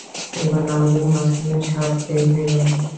একবার নামাজের মাঝখানে সাপ বের হয়ে গেল।